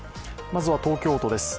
まずは東京都です。